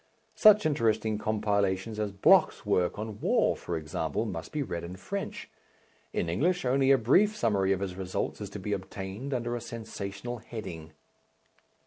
Such interesting compilations as Bloch's work on war, for example, must be read in French; in English only a brief summary of his results is to be obtained, under a sensational heading.